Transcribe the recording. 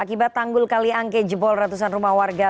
akibat tanggul kali angke jebol ratusan rumah warga